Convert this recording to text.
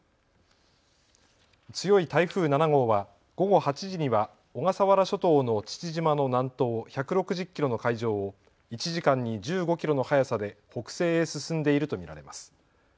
強い台風７号は午後８時には小笠原諸島の父島の南東１６０キロの海上を１時間に１５キロの速さで北西へ進んでいると見られます。